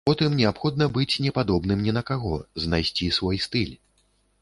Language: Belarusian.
Потым неабходна быць не падобным ні на каго, знайсці свой стыль.